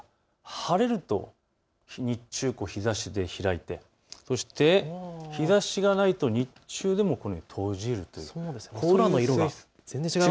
晴れると日中、日ざしで開いて、そして日ざしがないと日中でも閉じるというこういう性質。